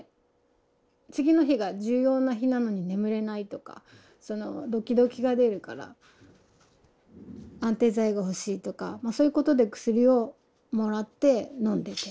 次の日が重要な日なのに眠れないとかドキドキが出るから安定剤が欲しいとかそういうことで薬をもらって飲んでて。